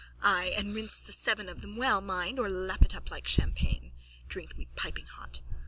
Ay, and rinse the seven of them well, mind, or lap it up like champagne. Drink me piping hot.